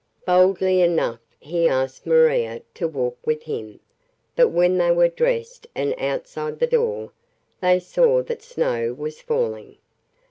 Boldly enough he asked Maria to walk with him, but when they were dressed and outside the door, they saw that snow was falling.